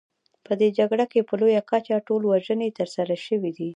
په دې جګړه کې په لویه کچه ټولوژنې ترسره شوې.